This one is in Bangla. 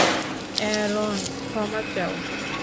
অ্যারন, ক্ষমা চাও।